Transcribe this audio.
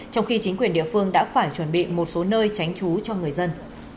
trong khi chính quyền địa phương đã phải chuẩn bị một số nơi tránh trú cho người dân